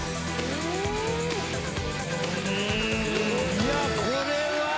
いやこれは！